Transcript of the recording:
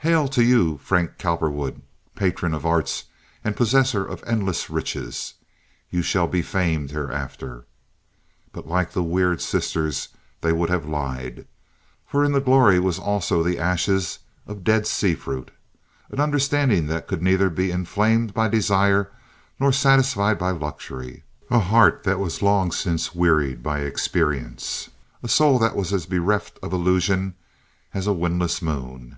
Hail to you, Frank Cowperwood, patron of arts and possessor of endless riches! You shall be famed hereafter." But like the Weird Sisters, they would have lied, for in the glory was also the ashes of Dead Sea fruit—an understanding that could neither be inflamed by desire nor satisfied by luxury; a heart that was long since wearied by experience; a soul that was as bereft of illusion as a windless moon.